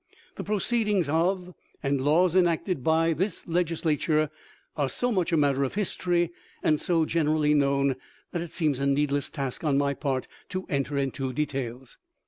The proceedings of, and laws enacted by, this Legisla ture are so much a matter of history and so gener ally known that it seems a needless task on my part to enter into details.